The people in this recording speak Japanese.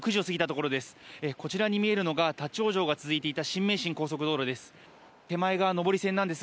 こちらに見えるのが立ち往生が続いていた新名神高速道路です。